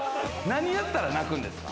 何やったら鳴くんですか？